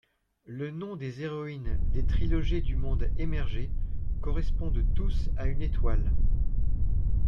Les noms des héroïnes des trilogies du monde émergé correspondent tous à une étoile.